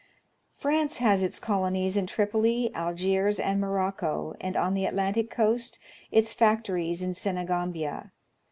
France has its colonies in Tripoli, Algiers, and Morocco, and on the At lantic coast its factories in Senegambia.